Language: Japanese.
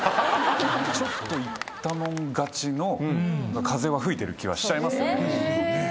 ちょっと言ったもん勝ちの風は吹いてる気はしちゃいますね。